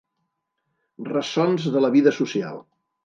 Ressons de la vida social.